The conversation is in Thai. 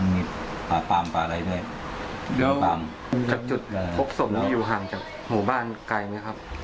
มีป่าปามป่าอะไรด้วยแล้วปาล์มจากจุดพบศพนี้อยู่ห่างจากหมู่บ้านไกลไหมครับ